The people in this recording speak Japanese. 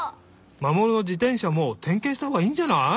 マモルの自転車もてんけんしたほうがいいんじゃない？